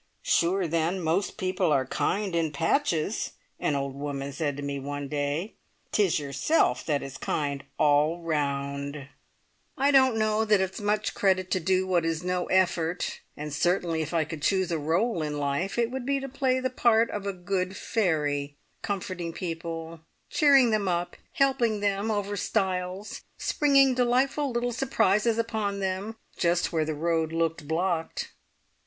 "Sure then, most people are kind in patches," an old woman said to me one day; "'tis yourself that is kind all round!" I don't know that it's much credit to do what is no effort, and certainly if I could choose a role in life it would be to play the part of a good fairy, comforting people, cheering them up, helping them over stiles, springing delightful little surprises upon them, just where the road looked blocked!